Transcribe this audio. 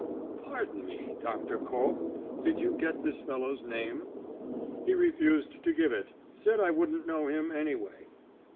"Pardon me, Doctor Koch; did you get this fellow's name?" "He refused to give it said I wouldn't know him, anyway."